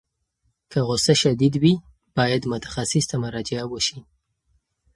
که غوسه شدید وي، باید متخصص ته مراجعه وشي.